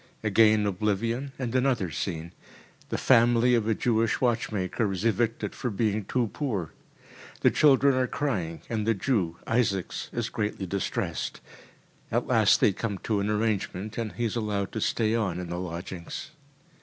Again oblivion, and another scene. The family of a Jewish watchmaker is evicted for being too poor. The children are crying, and the Jew, Isaaks, is greatly distressed. At last they come to an arrangement, and he is allowed to stay on in the lodgings.